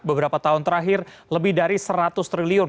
beberapa tahun terakhir lebih dari seratus triliun